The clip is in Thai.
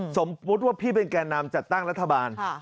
สมมุติว่าพี่เป็นแก่นำจัดตั้งรัฐบาล